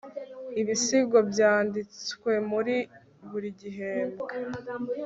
ibisigo byanditswe muri buri gihembwe